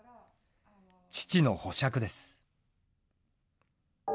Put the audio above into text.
父の保釈です。